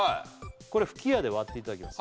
これ吹き矢で割っていただきます